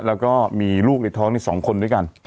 แล้วก็มีลูกในท้องที่๒คนด้วยกัน